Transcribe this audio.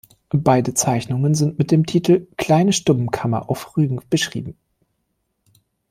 Beide Zeichnungen sind mit dem Titel "Kleine Stubbenkammer auf Rügen" beschrieben.